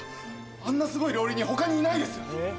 あんなすごい料理人他にいないですよ！